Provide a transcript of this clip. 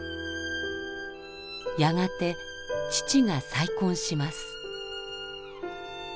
やがて父が再婚します。